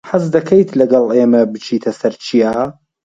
حەز دەکەیت لەگەڵ ئێمە بچیتە سەر چیا؟